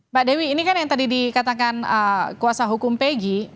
mbak dewi ini kan yang tadi dikatakan kuasa hukum peggy